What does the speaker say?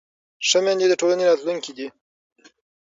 ښه میندې د ټولنې راتلونکی دي.